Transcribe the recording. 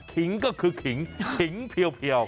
ก็คือขิงขิงเพียว